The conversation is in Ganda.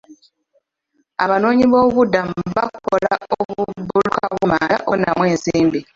Abanoonyiboobubudamu bakola obubulooka bw'amanda okufunamu ensimbi.